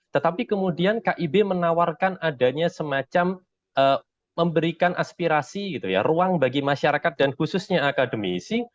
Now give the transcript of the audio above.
tetapi kemudian kib menawarkan adanya semacam memberikan aspirasi gitu ya ruang bagi masyarakat dan khususnya akademisi